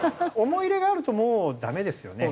思い入れがあるともうダメですよね。